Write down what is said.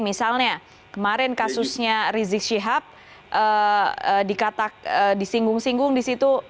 misalnya kemarin kasusnya rizik syihab dikatak disinggung singgung di situ